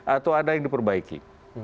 atau ada yang diperbaiki